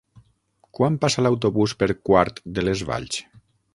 Quan passa l'autobús per Quart de les Valls?